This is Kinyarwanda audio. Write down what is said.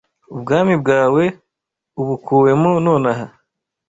Ubwami bwawe ubukuwemo nonaha